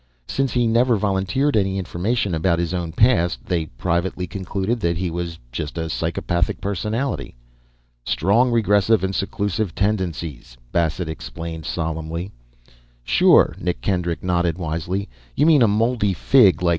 Since he never volunteered any information about his own past, they privately concluded that he was just a psychopathic personality. "Strong regressive and seclusive tendencies," Bassett explained, solemnly. "Sure," Nick Kendrick nodded, wisely. "You mean a Mouldy Fig, like."